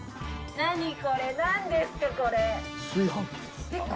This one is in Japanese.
何これなんですかこれ。